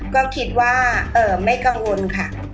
ก็คิดว่าไม่กังวลค่ะ